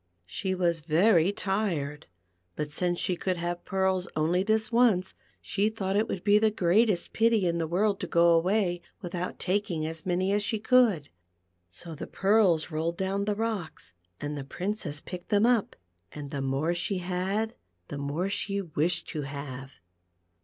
She was very tired, but since she could have pearls only this once, she thought it would be the greatest pity in the world to ^o away without taking as many as she could. So the pearls rolled down the rocks, and the Princess picked them up, and the more she had, the more she wished to have.